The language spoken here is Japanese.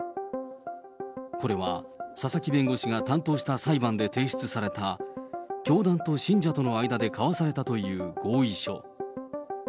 これは佐々木弁護士が担当した裁判で提出された、教団と信者との間で交わされたという合意書。